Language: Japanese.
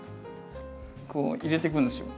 こう入れていくんですよ。